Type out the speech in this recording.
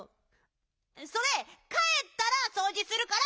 それかえったらそうじするから！